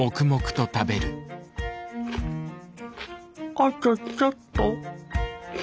あとちょっと。